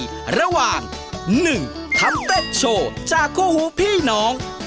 แปลงอะไรระหว่าง๑ทำเต้นโชว์จากคู่หูพี่น้อง